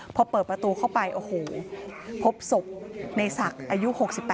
พอเปิดประตูเข้าไปโอ้โหพบศพในศักดิ์อายุ๖๘